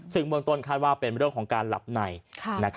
ซึ่งเมืองต้นคาดว่าเป็นเรื่องของการหลับใน